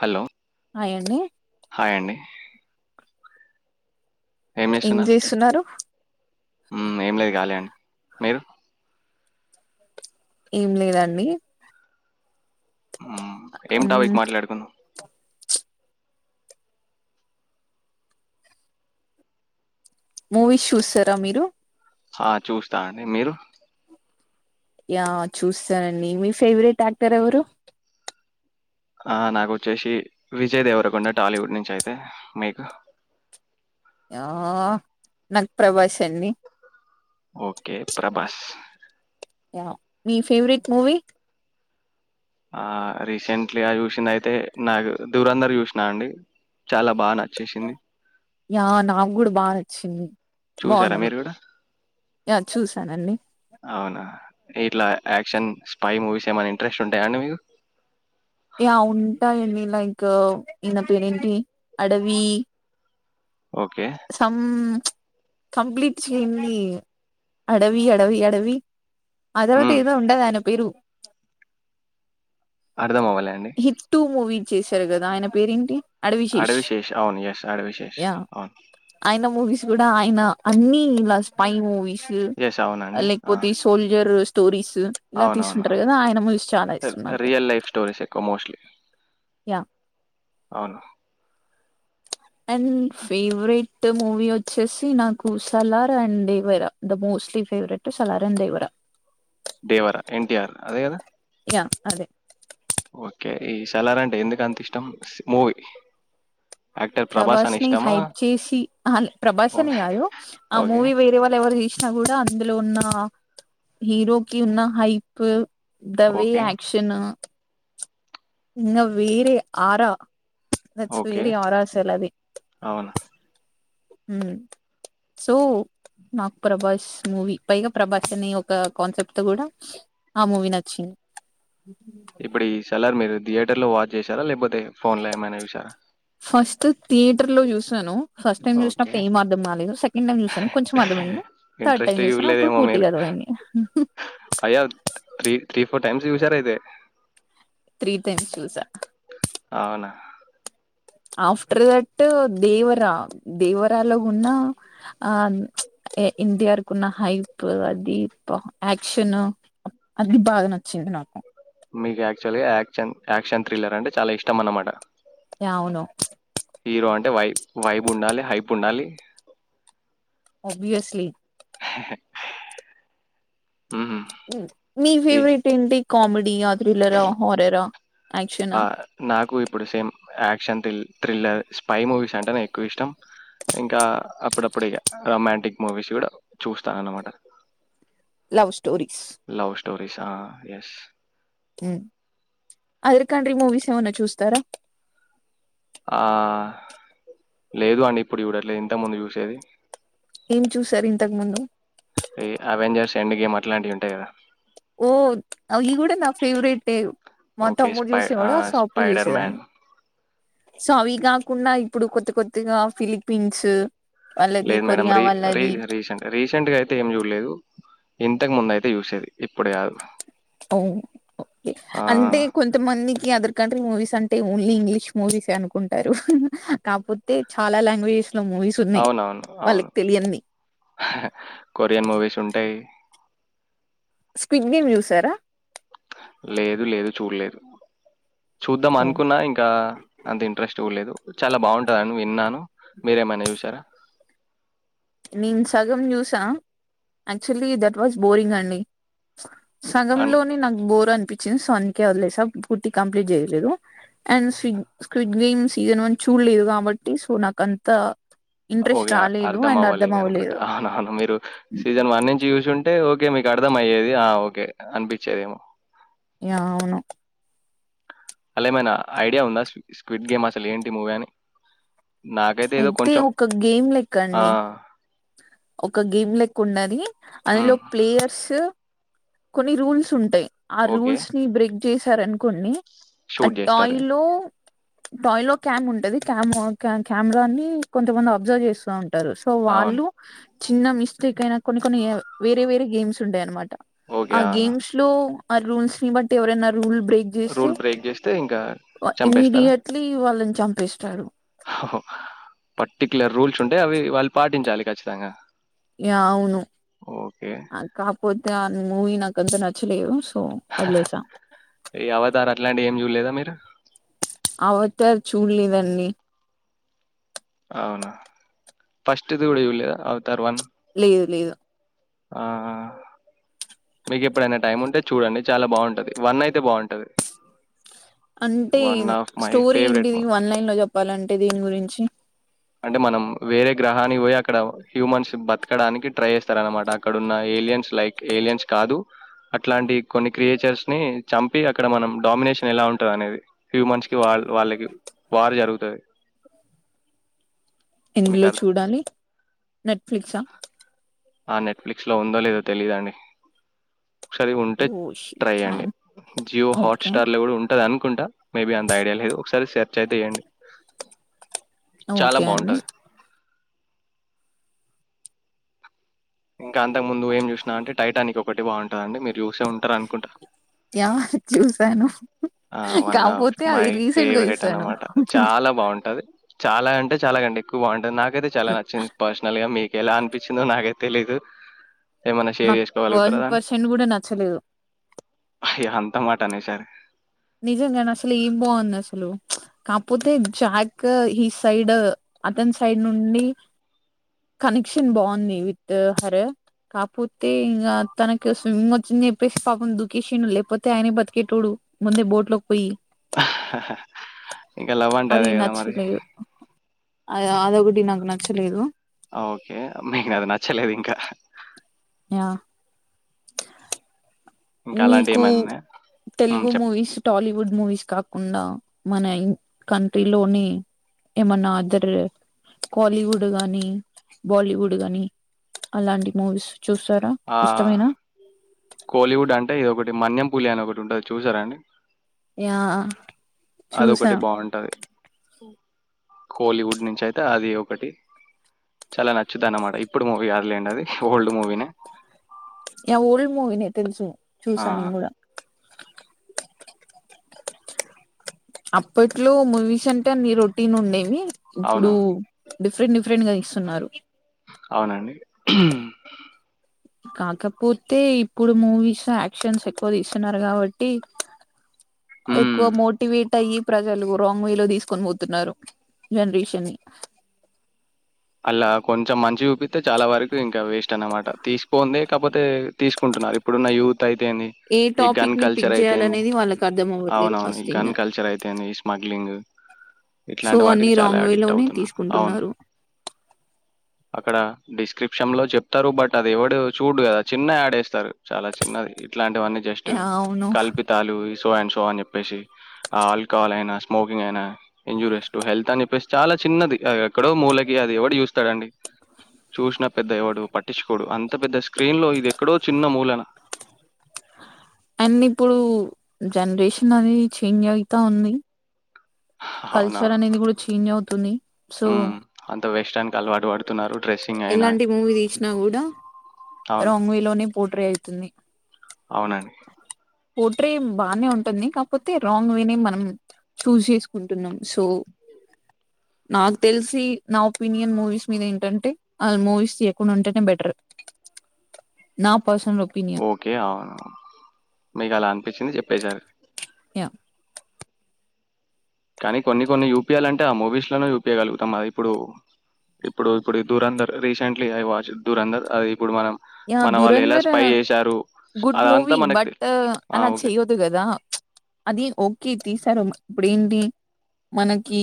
Hello hi అండి హాయ్ండి ఏం చేస్తున్నారు ఉమ్ ఏం లేదు కాలే అండి మీరు ఏం లేదండి ఏం టాపిక్ మ్, మాట్లాడుకుందాం మూవీస్ చూస్తారా మీరు ఆ చూస్తా అండి మీరు యా చూస్తానండి మీ ఫేవరెట్ యాక్టర్ ఎవరు ఆ నాకు వచ్చేసి విజయ్ దేవర కొండ టాలీవుడ్ నుంచి అయితే మీకు ఆ నాకు ప్రభాస్ అండి ఒకే ప్రభాస్ య మీ ఫేవరెట్ మూవీ ఆ రీసెంట్లీగా చూసింది అయితే నాకు దూరందరూ చూసినా అండి చాలా బాగా న యా నాక్ గుడ బా ఛీ చూసారా బాగుంది మీరు గూడా? యా చూసానండి అవునా ఇట్లా యాక్షన్ స్పై మూవీస్ ఏమైనా ఇంట్రెస్ట్ ఉంటాయండి మీకు యా ఉంటాయండి లైక్ ఇన పెరేంటి అడవి ఓకే. సమ్ కంప్లీట్ చేయండి అడవి అడవి అడవి ఆధారవత్ హ్మ్. ఎదో ఉంటా దయన్ పెరు అర్థం అవ్వలే అండి. హిట్ టు మూవీ చేశారు కదా ఆయన పేరేంటి అడవిశేష్ 'అడవి శేష్' అవును. యెస్. 'అడవి శేష్' యా అవును. ఆయన మూవీస్ కూడా ఆయన అన్నీ ఇలా స్పై మూవీస్ యెస్ అవునండి. లేక్ ఆ! పోతే సోల్జర్ టోరీస్ ఇలా అవునవును. తీసుకుంటారు కదా ఆయన మువీస్ చాలా ఇష్టం నాకు కొ మోస్ట్లి యా అవును అండ్ ఫేవరెట్ మూవీ వచ్చేసి నాకు సలార్ అండి Devara the mostly favourite Salaar and Devara Devara NTR అదె కదా య అదే ఒకే ఈ సలార్ అంటే ఎందుకు అంత ఇష్టం స్ మూవీ యాక్టర్ ప్రభాస్ అని ని ఇష్టమా? హైప్ చేసి అ ప్రభాస్ అనే ఓహ్! కాదు ఆ ఓకే. మూవీ వేరే వాళ్ళు ఎవరు తీస్ కూడా అందులో ఉన్న హీరోకిి ఉన్న hype the way okay. Action ఇంగ వేరే ఆరా థట్స్ ఓకే. వేరె ఆరా సలది అవును. హుమ్ సో నాక్ ప్రభాస్ మూవీ పైగా ప్రభాస్ అనే ఒక కాన్సెప్ట్ తో కూడా ఆ మూవీ నచ్చింది ఇప్పుడు ఇ సలార్ మీరు థియేటర్ లో వాచ్ చేసారా లేకపోతే తే ఫోన్ లో ఏమైనా చూసారా ఫస్ట్ థియేటర్ లో చూసాను ఫస్ట్ టైం ఓకే. చూసినప్పుడు ఏం అర్థం కాలేదు, సెకండ్ టైం చూసనం కొంచెం అర్థమయ్యంది. థర్డ్ టైం ఇంట్రెస్ట్ చూసిన అప్పుడు చూడలేదేమో మీరు. పూర్తిగా అర్థమైంది. అయ్యో! త్రీ ఫోర్ టైమ్స్ చూసారు ఐతే త్రీ టైమ్స్ చూసా అవునా ఆఫ్టర్ దట్ దేవరా దేవరాలో ఉన్న ఆ ఎన్టీఆర్ కు ఉన్న హైప్ అదిప్ యాక్షన్ అది బాగా నచ్చింది నాకు మీకు యాక్చువల్గా యాక్షన్ యాక్షన్ థ్రిల్లర్ అంటే చాలా ఇష్టం అన్నమాట యా అవును అంటే వై వైబ్ ఉండాలి హైపు ఉండాలి ఆభ్యస్లి హ్ హ్ హ మీ ఫేవరెట్ ఏంటి? కామెడి ఆద్ థ్రిల్లర్ ఆ, హర్రర్ ఆ, ఆ! యాక్షనా? నాకు ఇప్పుడు same action thrill thriller spy movies అంటే ఎక్కువ ఇష్టం ఇంకా అప్పుడప్పుడు ఇగ రొమాంటిక్ మూవీస్ కూడా చూస్తాను అన్నమాట లవ్ స్టోరీస్ లవ్ స్టోరీస్ ఆ ఎస్ ఉమ్. అదర్ కంట్రీ మూవీస్ ఏమన్నా చూస్తారా? ఆ లేదు అండి ఇప్పుడు చూడట్లేదు ఇంతకు ముందు చూసేది ఏం చూసారు ఇంతకు ముందు ఏ అవెంజర్స్ ఎండ్ గేమ్ అట్లాంటివి ఉంటాయి కదా ఓ అవి కూడా నా ఫేవరెట్ ఏవ్ మా ఓకే. తమ్ముడు స్పై చూసేవాడు ఆహ్, సో అప్పుడు 'స్పైడర్ మ్యాన్.' చూసేదాన్ని సో అవి కాకుండా ఇప్పుడు కొత్త కొత్తగా ఫిలిపిన్స్ లేదు మేడం రీ రీ రీసెంట్ రీసెంట్ గా అయితే ఏం చూడలేదు ఇంతకు ముంద అయితే చూసేది ఇప్పుడు కాదు అవుఓకే అంటే కొంతమంది అదర్ కంట్రీ మూవీస్ అంటే ఓన్లీ ఇంగ్లీష్ మూవీసే అనుకుంటారు కాకపోతే చాలా లాంగ్వేజెస్ లో మూవీస్ ఉన్నాయి అవునవును అవును వాళ్ళకి తెలియంది కొరియన్ మూవీస్ ఉంటాయి స్పిడ్ గేమ్ చూసారా లేదు లేదు చూడలేదు చూద్దాం ఓ అనుకున్నా ఇంకా అంత ఇంట్రెస్ట్ కూడా లేదు చాలా బాగుంటందని విన్నాను మీరేమైనా చూసారా నేను సగం చూసా యాక్చువల్లీ దట్ వాస్ బోరింగ్ అండి అన్ సగంలోనే నాకు బోరం పించింది సో అందుకే వదిలేసా పూర్తి కంప్లీట్ చేయలేదు అండ్ స్విగ స్విగ్విన్ సీజన్ వన్ చూడలేదు కాబట్టి సో నాక అంత ఇంట్రెస్ట్ రాలేదు అండ్ అర్థం లేదు అనుకుంటా అవ్వలేదు అవునవును మీరు సీజన్ వన్ నుంచి చూసుంటే అంటే ఓకే మీకు అర్థం అయ్యేది ఆ ఓకే అనిపించేదేమో యా అవును అలా ఏమైనా ఐడియా ఉందా స్క్విట్ గేమ్ అసలు ఏంటి మూవీ అని నాకైతే ఏదో అయితే కొంచెం ఒక గేమ్ లెక్క ఆ! అండి ఒక గేమ్ లెకు ఉండది అందులో హ్మ్. ప్లేయర్స్ కొన్ని రూల్స్ ఉంటాయి ఆ ఓకే. రూల్స్ ని బ్రేక్ చేసి ఇస్తార్ అనుకోండి ఆ షూట్ టాయ్ జేస్తారు. లో టాయ్ లో క్యామ్ ఉంటంది క్యామ్ కెమెరాని కొంతమంది అబ్జర్వ్ చేస్తూ ఉంటంది సో అవును. వాళ్ళు చిన్న మిస్టేక్ అయినా కొన్ని కొన్ని వేరే వేరే గేమ్స్ ఉంటాయి అనమాట ఆ గేమ్స్ లో ఆ రూల్స్ బట్టి ఎవరేనా రూల్ బ్రేక్ చేస్తే రూల్ బ్రేక్ జేస్తే ఇంకా చంపేస్తారా? ఇమీడియట్లీ వాళ్ళని చంపి చంపేస్తారు పర్టిక్యులర్ రూల్స్ ఉంటే అవి వాళ్ళు పాటించాలి ఖచ్చితంగా ఏ అవును ఓకే. ఆ కాకపోతే మూవీ నాకుంత నచ్చలేదు సో వదిలేసా ఈ అవతారు అట్లాంటి ఏం చూడలేదా మీరు అవతార్ చూడలేదండి అవునా ఫస్ట్ది కూడా చూడలేదా అవుతారు వన్ లేదు లేదు ఆ మీకు ఎప్పుడైనా టైం ఉంటే చూడండి చాలా బాగుంటంది వన్ అయితే బాగుంటది అంటే one of my story favourite ఏంటిది మూవీ వన్ లైన్ లో చెప్ చెప్పాలంటే దీని గురించి అంటే మనం వేరే గ్రహానికి పోయి అక్కడ హ్యూమన్స్ బతకడానికి ట్రై చేస్తారనమాట అక్కడన్న ఏలియన్స్ లైక్ ఏలియన్స్ కాదు అట్లాంటి కొన్ని క్రియేచర్స్ ని చంపి అక్కడ మనం డామినేషన్ ఎలా ఉంటుంది అనేది హ్యూమన్స్ క వాళ్ వాళ్ళకి వార్ జరుగుతాది ఎందులో చూడాలి నెట్ఫ్లిక్ ఆ ఆ నెట్ఫ్లిక్స్ లో ఉందో లేదో తెలీదుండి ఒకసారి ఉంటే ఓ ట్రై షిట్ అండి మ్యాన్ జియో ఓకే హాట్స్టార్ లో కూడా ఉంటదని ఆన్ కుంటా మేబి అంత ఐడియా లేదు ఒకసారి సెర్చ్ అయితే చేయండి చాలా ఓకే అండి బాగుంటది ఇంకా అంతకు ముందు ఏం చూసినా అంటే టైటానిక్ ఓ కటి బాగుంటది అండి మీర్ చూసే ఉంటార అనుకుంటా సాను ఆ వన్ ఆఫ్ మై గా ఫేవరెట్ చూసాను అన్నమాట చాలా బాగుంటది చాలా అంటే చాలా కండి ఎక్కువ బాఅంటే నాక్ నాకైతే చాలా నచ్చింది పర్సనల్ గా మీకెలా అనిపించిందో నాకైతే తెలీదు ఏమన్నా షేర్ నాకు చేసుకోవాలి వన్ [unintelligible] పర్సెంట్ కూడా నచ్చలేదు అయ్యో అంతా మాట అనేసారే నిజం గాని అసలు ఏం బాగుంది అసలు కాపోతే జాక్ ఈ సైడ్ అతని సైడ్ నుండి కనెక్షన్ బాగుంది విత్ హర్ కాపోతే ఇంకా తనకు స్విమ్మింగ్ వచ్చని చెప్పేసి పాపం దూకేసిండు లేకపోతే ఆయనే బతికేటోడు ముందే బోట్ లోకి పోయి ఆ హా హా ఇంకా లవ్ అంటే అది అదే కదా మరి నచ్చలేదు అ అదోకటి నాగ్ నచ్చలేదు ఓకే మీకు అది నచ్చలేదు ఇంకా యా ఇంకా అలాంటి మీకు ఏమైనా ఉన్నాయా? హ్మ్ తెలుగు చెప్పండి మూవీస్ టాలీవుడ్ మూవీస్ కాకుండా మన కంట్రీలోని ఏమన్నా అదర్ కాలీవుడ్ గానీ బాలీవుడ్ గానీ అలాంటి మూవీస్ చూస్తారా ఆ ఇష్టమేనా కోలీవుడ్ అం టే ఇది ఒకటి మన్యం పూలి అని ఒకటి ఉంటది చూసారాండి యా చూసా బావుంటది. కోలీవుడ్ నుంచి అయితే అది ఒకటి చాలా నచ్చుది అన్నమాట ఇప్పుడు మూవీ కాదులెండి అది ఓల్డ్ మూవీనే ఓల్డ్ మూవీనే తెలుసు ఆ! చూసా నేను కూడా అప్పట్లో మూవీస్ అంటే అన్ని రొటీన్ ఉండేవి ఇప్పుడు అవును. డిఫరెంట్ డిఫరెంట్ గా తీస్తున్నారు అవునండి హ్మ్ కాకపోతే ఇప్పుడు మూవీస్ యాక్షన్స్ ఎక్కువ తీస్తున్నారు కాబట్టి ఎక్కువ హ్మ్. మోటివేట్ అయ్యి ప్రజలు రాంగ్ వే లో తీసుకొని పోతున్నారు జనరేషన్ ని అలా కొంచెం మంచి చూపితే చాలా వరకు ఇంకా వేస్ట్ అన్నమాట తీసుకోందే కాపోతే తీసుకుంటున్నారు ఇప్పుడున్న యూత్ తైతేంది ఏ ఈ టాపిక్ గన్ ని పిక్ కల్చర్ అయితేంది చేయాలనేది వాళ్ళకి అర్థం అవ్వట్లేదు ఫస్ట్ అవునవును థింగ్ గన్ కల్చర్ అయితేంది ఈ స్మగ్లింగ్ సో ఇట్లాంటి అన్ని వాటికి రాంగ్ చాలా వే అడిక్ట్ లోనే అవుతున్నారు. అవును. తీసుకుంటున్నారు అక్కడ డిస్క్రిప్షన్ లో చెప్తారు బట్ అది ఎవడు చూడు కదా చిన్న యాడేస్తారు చాలా చిన్నది ఇట్లు ఇట్లాంటివన్నీ జస్ట్ అవును కల్పితాలు సో అండ్ సో అని చెప్పేసి ఆల్కహాల్ అయినా స్మోకింగ్ అయినా ఇంజురీస్ టు హెల్త్ అని చెప్పేసి చాలా చిన్నది ఎక్కడో మూల ఈ అది ఎవడు చూస్తాడండి చూసిన పెద్ద ఎవడు పట్టించుకోడు అంత పెద్ద స్క్రీన్ లో ఇది ఎక్కడో చిన్న మూలన అండ్ ఇప్పుడు జనరేషన్ అనీ చేంజ్ అయితా ఉంది అవునా కల్చర్ అనేది కూడా చేంజ్ అవుతుంది సో ఉమ్, అంత వెస్టర్న్కి అలవాటు పడుతున్నారు డ్రెస్సింగ్ అయినా ఎలాంటి మూవీ తీసినా గుడా అవును రాంగ్ విలోనే పో పోట్రే అయితుంది అవునండి పోట్రే బాగానే ఉంటుంది కాకపోతే రాంగ్ వేనే మనం చూజ్ చేసుకుంటున్నాం సో నాకు తెలిసి నా ఒపీనియన్ మూవీస్ మీద ఏంటంటే వాళ్ళు మూవీస్ తీయకుండా ఉంటేనే బెటర్ నాపు ఓకే ఆ మీకు అలా అనిపించింది చెప్ బేజారు యా కానీ కొన్ని కొన్ని యూపియలే అంటే ఆ మూవీస్ లోనే యూపీయ గలుగుతాం అది ఇప్పుడు ఇప్పుడు ఇప్పుడు ఈ Dhurandhar recently I watch Dhurandhar అది ఇప్పుడు మనం య మన వాళ్ళు ఎలా దురంధర్ స్పై చేశారు గుడ్ అదంతా మూవీ మనకు తె బట్ ఆ అలా ఓకే చెయ్యదు కదా అది ఓకే తీసారు ఇప్పుడు ఏంటి మనకి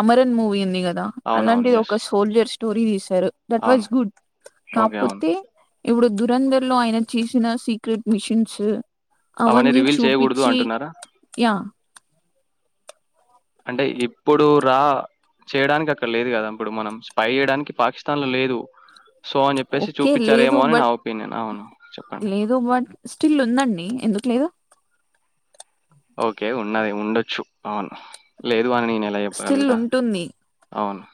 అమరన్ మూవీ ఉంది గా లా అలాంటి అవునవును ఎస్ ఒక సోల్జర్స్ స్టోరీ తీస్ పెరు దట్ వాస్ అవును గుడ్ ఓకే అవును కాపోతే ఇప్పుడు దురంధర్ లో ఆయన చేసిన సీక్రెట్ మిషిన్స్ అవన్నీ రివీల్ చేయకూడదు చూపించి అంటున్నారా యా అంటే ఇప్పుడు రా చేయడానికి అక్కడ లేదు కదా ఇప్పుడు మనం స్పై చేయడానికి పాకిస్తాన్ లో లేదు సో అని చెప్పేసి ఓకే లేదు చూపించారేమో అని నా బట్ ఒపీనియన్ అవును చెప్పండి లేదు బట్ స్టిల్ ఉందండి ఎందుకు లేదు ఓకే ఉన్నది ఉండొచ్చు అవును లేదు ఇదివాని న ఏల చేప్పు స్టిల్ కలుగుతా ఉంటుంది అవును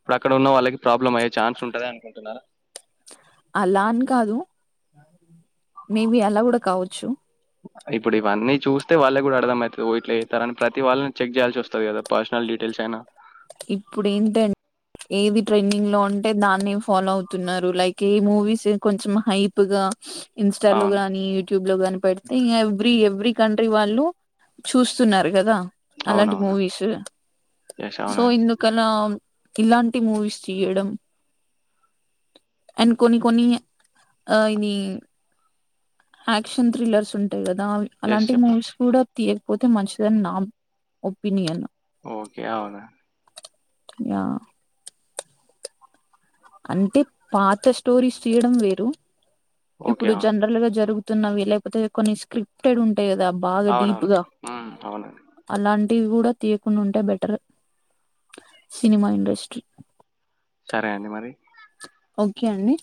ఇప్పుడు అక్కడ ఉన్న వాళ్ళకి ప్రాబ్లం అయ్యే ఛాన్స్ ఉంటది అనుకుంటున్నారా అలా అని కాదు మేబి అలా కూడా కావచ్చు ఇప్పుడు ఇవన్నీ చూస్తే వాళ్ళే కూడా అర్థం మవుతుంది ఓట్ వస్తార అని ప్రతి వాళ్ళని చెక్ చేయాల్సి వస్తుంది కదా పర్సనల్ డీటెయిల్స్ అయినా ఇప్పుడు ఏంటంటే ఏది ట్రెండింగ్ లో ఉంటే దాన్నే ఫాలో అవుతున్నారు లైక్ ఏ మూవీస్ కొంచెం హైప్గా అవును ఇన్స్టాలోగాని యూట్యూబ్ లో కని పెడితే ఎవ్రీ ఎవ్రీ కంట్రీ వాళ్ళు చూస్తున్నారు కదా అలాంటి అవునవును మూవీస్ ఎస్ సో అవునండి ఇందుకలా ఇలాంటి మూవీస్ తీయడం అండ్ కొన్ని కొన్ని ఇది యాక్షన్ థ్రిల్లర్స్ ఉం అ కదా ఎస్ అలాంటి చెప్పండి మూవీస్ కూడా తీయకపోతే మంచిది అని నా ఒపినియన్ ఓకే అవునా య అంటే పాత స్టోరీస్ తీయడం వేరు ఓకే ఇప్పుడు అవును జనరల్ గా జరుగు తున్నా లేకపోతే కొన్ని స్క్రిప్టెడ్ ఉ టె కదా బాగా డీప్ అవునవును గా ఉమ్, అవునండి అలాం టివి కూడా తీయకుండాంటే బెటర్ సినిమా ఇండస్ట్రీ సరే అండి మరి ఓకే అండి